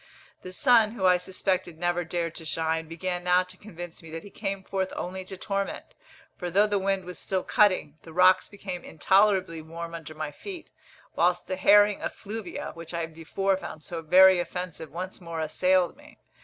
The sun, who I suspected never dared to shine, began now to convince me that he came forth only to torment; for though the wind was still cutting, the rocks became intolerably warm under my feet, whilst the herring effluvia, which I before found so very offensive, once more assailed me.